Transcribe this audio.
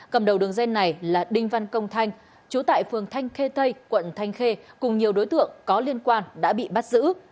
cầm đầu đường dây này là đinh văn công thanh chú tại phường thanh khê tây quận thanh khê cùng nhiều đối tượng có liên quan đã bị bắt giữ